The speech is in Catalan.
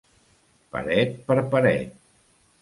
Paret per paret.